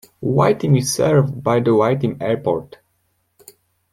Vitim is served by the Vitim Airport.